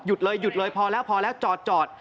หยุดเลยพอแล้วจอด